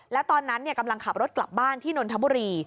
แล้วตอนนั้นกำลังขับรถกลับบ้านที่นนทบุรี